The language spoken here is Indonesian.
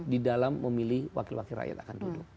di dalam memilih wakil wakil rakyat akan duduk